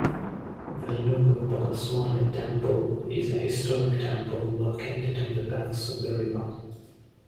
Venugopalaswami Temple is a historic temple located on the banks of the river.